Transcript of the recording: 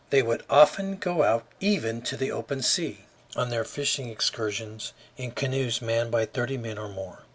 They would often go out even to the open sea on their fishing excursions in canoes manned by thirty men or more.